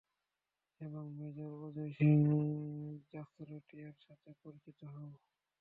এবং মেজর অজয় সিং জাসরোটিয়ার সাথে পরিচিত হও।